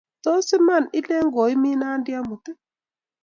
Tos iman ile koimi Nandi amut ii?